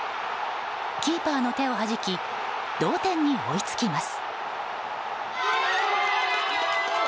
キーパーの手をはじき同点に追いつきます。